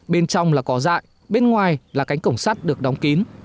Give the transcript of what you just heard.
bên trong là có dại bên ngoài là cánh cổng sắt được đóng kín